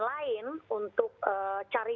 lain untuk cari